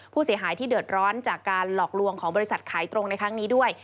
ผู้เสียหายที่เดือดร้อนจากการหลอกลวงของบริษัทขายตรงในครั้งนี้ด้วย